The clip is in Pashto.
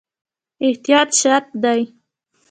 احتیاط شرط دی